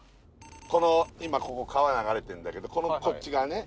この今ここ川流れてるんだけどこっち側ね。